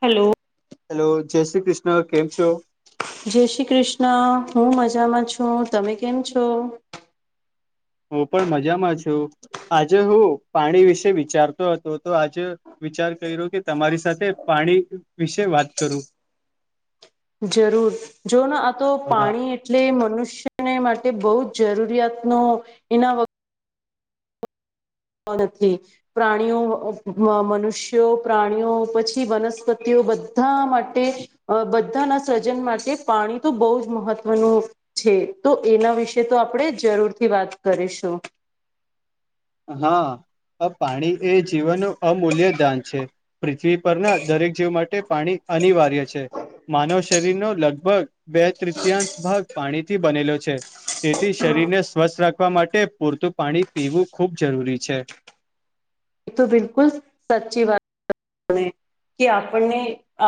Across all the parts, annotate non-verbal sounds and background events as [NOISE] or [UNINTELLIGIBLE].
Hello. Hello જય શ્રી કૃષ્ણ કેમ છો? જય શ્રી કૃષ્ણ હું મજામાં છું તમે કેમ છો? હું પણ મજામાં છું આજે હું પાણી વિશે વિચારતો હતો તો આજે વિચાર કર્યો કે તમારી સાથે પાણી વિશે વાત કરું. જરૂર જો આ તો અગા પાણી એટલે મનુષ્યને માટે બહુ જ જરૂરિયાતનો એના વ નથી. પ્રાણીઓ અહ મનુષ્યો, પ્રાણીઓ પછી વનસ્પતિઓ તો બધા માટે અહ બધાના હસર્જન માટે પાણી તો બહુ જ મહત્વનું છે. તો એના વિશે તો આપણે જરૂરથી વાત કરીશું. [UNINTELLIGIBLE] [INAUDIBLE] હા, આ પાણી એ જીવનનું અમૂલ્યદાન છે. પૃથ્વી પરના દરેક જીવ માટે પાણી અનિવાર્ય છે. માનવ શરીરનો લગભગ બે તૃતીયાંશ ભાગ પાણીથી બનેલો છે. તેથી શરીરને સ્વસ્થ રાખ વા માટે પૂરતું પાણી પીવું ખૂબ જરૂરી છે. એ તો બિલકુલ સાચી વાત [INAUDIBLE] કે આપણને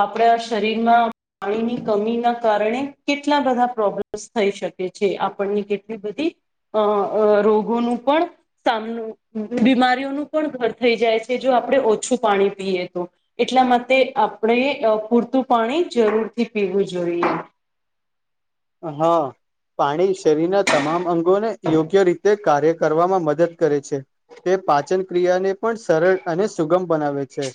આપણા શરીરમાં પાણીની કમીના કારણે કેટલા બધા પ્રોબ્લેમસ થઈ શકે છે, આપણની કેટલી બધી અહ અહ રોગોનું પણ સામનું બીમારીઓનું પણ ઘર થઈ જાય છે જો આપણે ઓછું પાણી પીએ તો એટલા માટે આપણે પૂર તો પાણી જરૂર થી પીવું જોઈએ. હા. પાણી શરીરના તમામ અંગોને યોગ્ય રીતે કાર્ય કરવામાં મદદ કરે છે. તે પાચન ક્રિયાને પણ સરળ અને સુગમ બનાવે છે.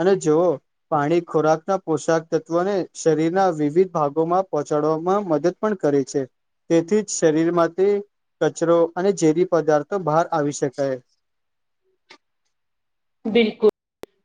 અને જોઓ પાણી ખોરાકના પોશાક તત્વોને શરીરના વિવિધ ભાગોમાં પહોંચાડ વામાં મદદ પણ કરે છે તેથી જ શરીરમાંથી કચરો અને ઝેરી પદાર્થો બહાર આવી શકાય. બિલકુલ.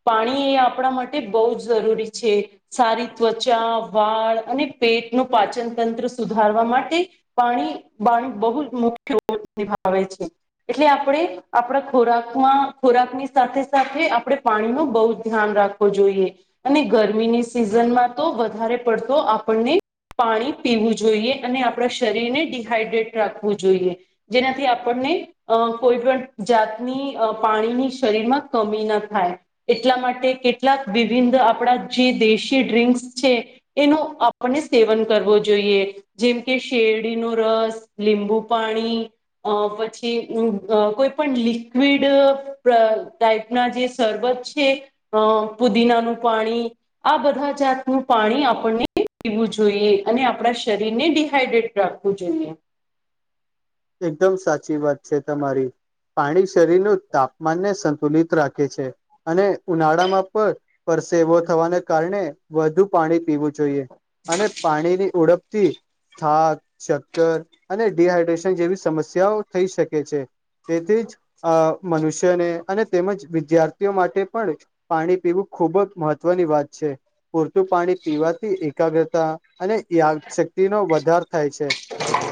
પાણી એ આપણા માટે બહુ જ જરૂરી છે સારી ત્વચા વાળ અને પેટ નું પાચન તંત્ર સુધારવા માટે પાણી બાણ બહુ મુખ્ય ની ભા આવે છે એટલે આપણેે આપણા ખોરાકમાં ખોરાક ની સાથે સાથે આપણે પાણી નું બહુ ધ્યાન રાખવું જોઈએ. અને ગરમીની સિઝનમાં તો વધારે પડતો આપણને પાણી પીવું જોઈએ અને આપણા શરીરને ડીહાઈડ્રેટ રાખવું જોઈએ. જેનાથી આપણ નહીં અહ કોઈ પણ જાતની અહ પાણીની શરીરમાં કમી ના થાય. એટલા માટે કેટલાક વિભિંદ આપણા જે દેશી ડ્રિંકસ છે. એનું આપણને સેવન કરવો જોઈએ. જેમ કે શેરડી નો રસ લીંબુ પાણી અહ પછી અમ્મ અહ કોઈ પણ લિક્વિડ ટા ટાઈપ ના જે શરબત છે અહ પુદીનાનું પાણી આ બધા ત નું પાણી આપણને પીવું જોઈએ અને આપણા શરીરને ડીહાઈડ્રેટ રાખવું જોઈએ. એકદમ સાચી વાત છે તમારી. પાણી શરીરનું તાપમાનને સંતુલિત રાખે છે અને ઉનાળામાં પર સેવો થવાને કારણે વધુ પાણી પીવું જોઈએ. અને પાણીની ઓડપથી થાક ચક્કર અને ડિહાઈડ્રેશન જેવી સમસ્યાઓ થઈ શકે છે. તેથી જ અહ મનુષ્યને અને તેમજ વિદ્યાર્થીઓ માટે પણ પાણી પીવું ખૂબ જ મહત્વની વાત છે. પૂરતું પાણી પીવાથી એકાગ્રતા અને યાદ સક તેનો વધાર થાય છે.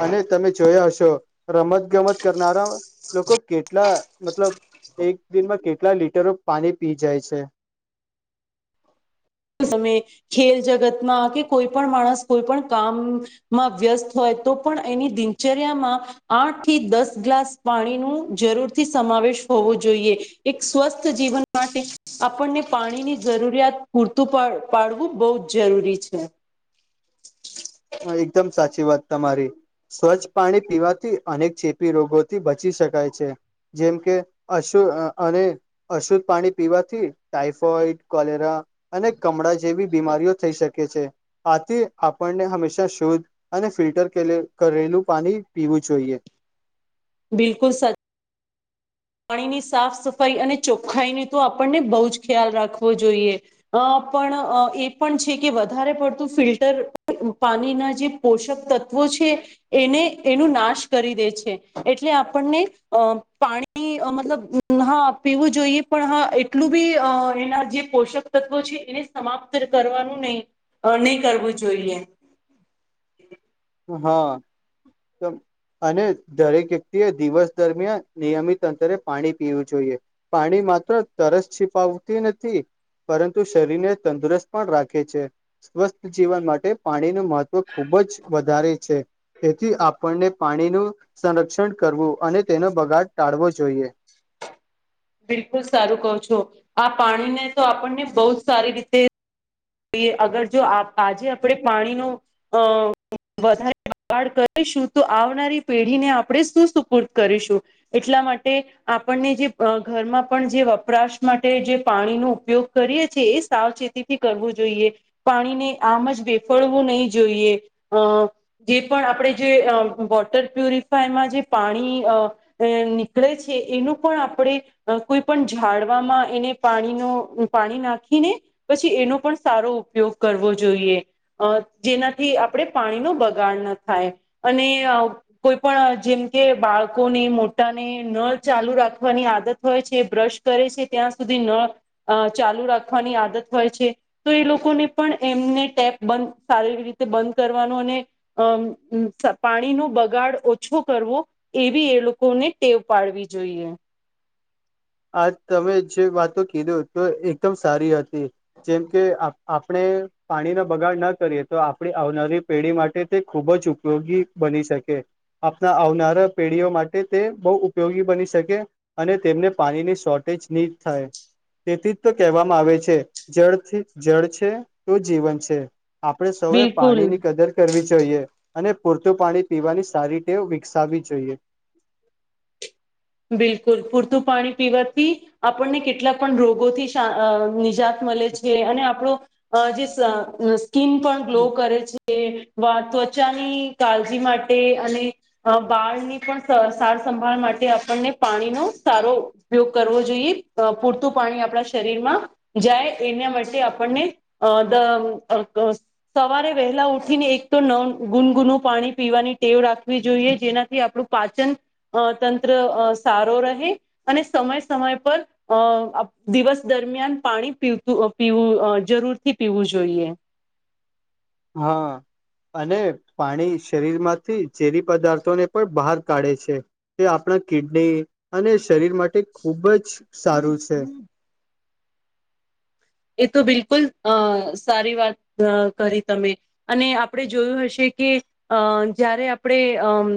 અને તમે જોયા હશ તો રમત ગમત કરનારા લોકો કેટલા મતલબ એક દિનમાં કેટલા લીટરો પાણી પી જાય છે. તમે ખેલ જગતમાં કે કોઈ પણ માણસ કોઈ પણ કામમાં વ્યસ્ત હોય તો પણ એની દિનચર્યામાં આઠ થી દસ ગ્લાસ પાણી નું જરૂર થી સમાવેશ હોવો જોઈએ. એક સ્વસ્થ જીવન માટે આપણને પાણીની જરૂરિયાત પૂર તું પા-પાડવું બહ જ જરૂરી છે. છે વાત તમારી સ્વચ્છ પાણી પીવાથી અનેક ચેપી રોગોથી બચી શકાય છે. જેમ કે અશુ અને અશુદ્ધ પાણી પીવાથી ટાઈફોઈડ કોલેરા અને કમળા જેવી બીમારીઓ થઈ શકે છે આથી આપણને હમેશા શુદધ અને ફિલ્ટર કરેલું પાણી પીવું જોઈએ બિલકુલ સચ પાણીની સાફ સફાઈ અને ચોખ્ખાઈની તો આપણને બહુ જ ખ્યાલ રાખવો જોઈએ પણ એ પણ છે કે વધારે પડતું ફિલ્ટર પાણીના જે પોષક તત્વો એને એનું નાશ કરી દે છે એટલે આપણને પાણી મતલબ હા પીવું જોઈએ પણ હા એટલું બી એના જે પોષક તત્વો છે એને સમાપ્ત કરવાનું નહી નહી કરવું જોઈએ હા અને દરેક વ્યક્તિએ દિવસ દરમિયાન નિયમિત અંતરે પાણી પીવું જોઈએ પાણી માત્ર તરસ છિપાવતી નથી પરંતુ શરીરને તંદુરસ્ત પણ રાખે છે સ્વસ્થ જીવન માટે પાણી મહત્વ ખૂબ જ તી છે. તેથી આપણને પાણીનું સંરક્ષણ કરવું અને તેનો બગાડ ટાળવો જોઈએ. [UNINTELLIGIBLE] બિલકુલ સારું કહો છો. આ પાણીને તો આપણને બહુ સારી રીતે તીએ અગર જો આપ આજે આપડે પાણીનો અહ વધારે બગાડ કરીશું તો આવનારી પેઢીને આપણે સુ સુપુર્દ કરીશું એટલા માટે આપણને જે અહ ઘરમાં પણ જે વપરાશ માટે જે પાણીનો ઉપયોગ કરીએ છી એ સાવચેતીથી કરવું જોઈએ પાણીને આમ જ બેફડવું નહી જોઈએ અહ જે પણ આપ પડે જે અહ વોટર પ્યુરિફાયમાં જે પાણી અહ અહ નીકળે છે એનું પણ આપણે કોઈ પણ ઝાડવામાં એને પાણીનો પાણી નાખીને પછી એનો પણ સારો ઉપયોગ કરવો જોઈએ જેનાથી આપણે પાણીનો બગાડ ન થાય અને કોઈ પણ જેમ કે બાળકોને મોટાને નળ ચાલુ રાખવાની ની આદત હોય છે બ્રશ કરે છે ત્યાં સુધી નળ ચાલુ રાખવાની આદત હોય છે તો એ લોકોને પણ એમને ટેપ બ સારી રીતે બંધ કરવાનું અને અ પાણી નો બગાડ ઓછો કરવો એવી એ લોકોને ટેવ પાડવી જોઈએ આ તમે જે વાતો કીધો તો એકદમ સારી હતી જેમ કે આપણે પાણીનો બગાડ ના કરીએ તો આપડી આવનારી પેઢી માટે તે ખૂબ જ ઉપયોગી બની શકે આપના આવનારા પેઢીઓ માટે તે બહુ ઉપયોગી બની શકે અને તેમને પાણીની શોર્ટેજ નીટ થાય તેથી તો કહેવામાં આવે છે જળથી જળ છે તો જીવન છે આપણેે સૌએ પાણી બિલકુલ ની કદર કરવી જોઈએ અને પૂરતું પાણી પીવાની સારી ટેવ વિકસાવવી જોઈએ બિલકુલ પૂરતું પાણી પીવાથી આપણને કેટલા પણ રોગોથી નિજા મળે છે અને આપણો જે સ્કીિન પણ ગ્લો કરે છે વા ત્વચાની કાળજી માટે અને વાળની પણ સાર સંંભાળ માટે આપને પાણીનો સારો ઉપયોગ કરવો જોઈએ પૂરતું પાણી આપણા શરીરમાં જાય એના માટે આપણને અ બ અ સવારે વહેલા ઉઠીને એક તો નવ ગુનગુનુપાણી પીવાની ટેવ રાખવી જોઈએ જેનાથી આપણું પાચન તંત્ર તંત્ર સારો રહે અને સમય સમય પર અ દિવસ દરમિયાન પાણી પીવતુ પીવું અ જરૂરથી પીવું જોઈએ હા અને પાણી શરીર માંથી ઝેરી પદાર્થોને પણ બહાર કાઢે છે તે આપણે ના કિડની અને શરીર માટે ખૂબ જ સારું છે એ તો બિલકુલ અ સારી વાત કરી તમે અને આપણે જોયું હશે કે અ જયારે આપણે અમ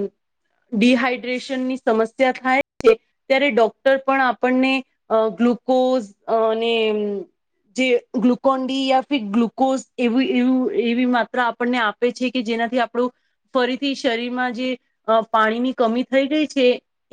ડિહાઈડ્રેશનની સમસ્યા થાય છે ત્યારે ડોક્ટર પણ આપણને ગ્લુકોઝ અને જે ગ્લુકોન ડી યા ફી ગ્લુકોઝ એવી એ એવી માત્રા આપણને આપે છે કે. જેનાથી આપણું. ફરીથી શરીરમાં જે પાણીની કમી થઈ ગઈ છે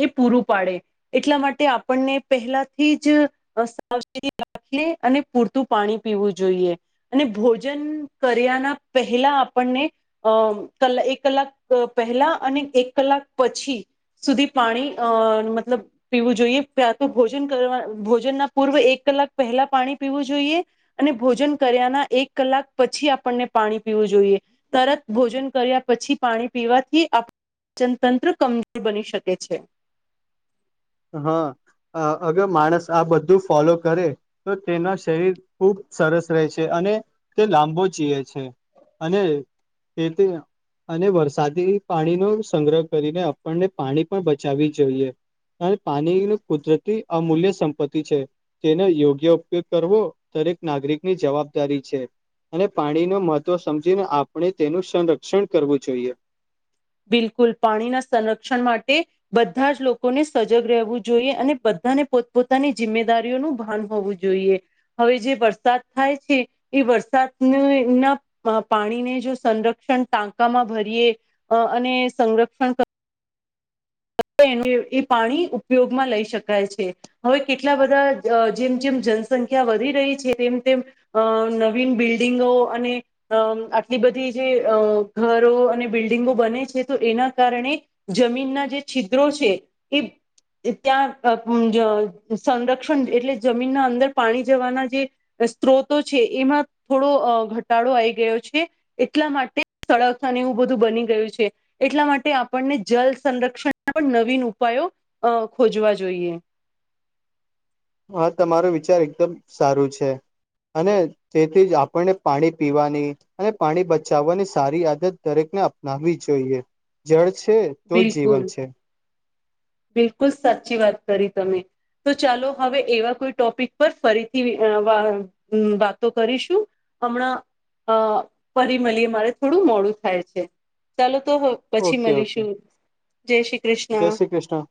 એ પૂરું પાડે એટલે. એટલા માટે આપણને પહેલાથી જ સાવચેતી રાખીએ. અને પૂરતું પાણી પીવું જોઈએ અને ભોજન કર્યાના પહેલા આપણને. અમ ક એક કલાક પહેલા અને એક કલાક પછી સુધી પાણી અ મતલબ પીવું જોઈએ ત્યાં તો ભોજન કરવા ભોજનના પૂર્વ એક. કલાક પહેલા પાણી પીવું જોઈએ અને ભોજન કર્યાના એક કલાક પછી આપણને પાણી પીવું જોઈએ. તરત ભોજન કર્યા પછી પાણી પીવાથી આપણું. જનતંત્ર કમજોર બની શકે છે. [INAUDIBLE] હા અગર માણસ આ બધું ફોલો કરે તો તેના શરીર ખુબ સરસ રહે છે અને તે લાંબો જીએ છે અને તે તે અને વરસાદી પાણીનો સંગ્રહ કરીને આપણને પાણી પણ બચાવવી જોઈએ અને પાણી કુદરત અમૂલ્ય સંપત્તિ છે, તેનો યોગ્ય ઉપયોગ કરવો દરેક નાગરિક ની જવાબદારી છે અને પાણી ન મહત્ત્વ સમજીને આપણે તેનું સંરક્ષણ કરવું જોઈએ. બિલકુલ પાણીના સંરક્ષણ માટે બધા જ લોકોને સજગ રહેવું જોઈએ અને બધા ને પોતપોતાની જિમ્મેદારીઓનું ભાન હોવું જોઈએ, હવે જે વરસાદ થાય છે. વરસાદ ના પાણીને જો સંરક્ષણ ટાંકામાં ભરીએ. અ અને સંરક્ષણ કર. [INAUDIBLE] એ એ પાણી ઉપયોગમાં લઈ શકાય છે, હવે કેટલા બધા જેમ જેમ જનસંખ્યા. ક્યાં વધી રહી છે, તેમ તેમ નવીન બિલ્ડિંગો અને આટલી બધીજે. ઘરો અને બિલ્ડિંગો બને છે, તો એના કારણે જમીનના જે. છિદ્રો છે, એ ત્યાં સંરક્ષણ એટલે જમીનના અંદર પાણી જવાના જે. સ્ત્રોતો છે, એમાં થોડો ઘટાડો આવી ગયો છે, એટલા માટે સળની બધું બની ગયું છે, એટલા માટે આપણને જલ સંરક્ષણ પણ નવીન ઉપાયો ખોજવા જોઈએ. હા તમારો વિચાર એકદમ સારું છે. અને તેથી જ આપણને પાણી પીવાની અને પાણી બચાવવાની સારી આદત દરેક. અપનાવવી જોઈએ જળ છે, તો બિલકુલ જીવન છે. બિલકુલ સાચી વાત કરી તમે. તો ચાલો હવે એવા કોઈ ટોપિક પર ફરીથી વાતો કરીશું. હમણાં અ ફરી મળીએ મારે થોડું મોડું થાય છે, ચાલો તો પછી ઓકે ઓકે મલીશું. જય શ્રી જય કૃષ્ણ. શ્રી કૃષ્ણ.